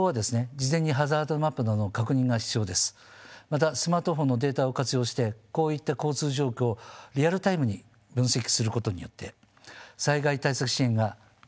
またスマートフォンのデータを活用してこういった交通状況をリアルタイムに分析することによって災害対策支援が可能になっております。